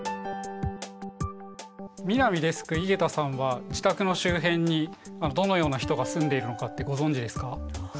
南デスク井桁さんは自宅の周辺にどのような人が住んでいるのかってご存じですか？